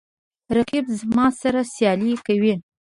رقیب زما سره سیالي کوي